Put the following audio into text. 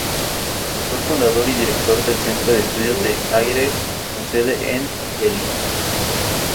Fue fundador y director del Centro de Estudios de Aire, con sede en Delhi.